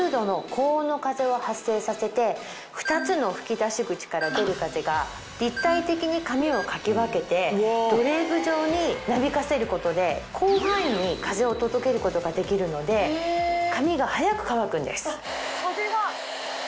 させて２つの吹き出し口から出る風が立体的に髪をかき分けてドレープ状になびかせることで広範囲に風を届けることができるので髪が早く乾くんです。